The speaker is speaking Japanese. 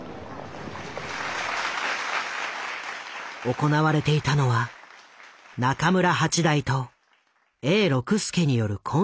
行われていたのは中村八大と永六輔によるコンサート。